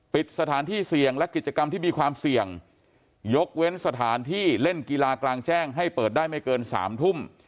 ปิดสถานที่เสี่ยงและกิจกรรมที่มีความเสี่ยงยกเว้นสถานที่เล่นกีฬากลางแจ้งให้เปิดได้ไม่เกิน๓ทุ่ม